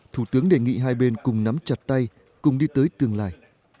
thủ tướng đề nghị hai bên cùng nắm chặt tay cùng đi tới tương lai